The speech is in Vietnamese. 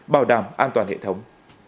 bảo đảm an toàn hệ thống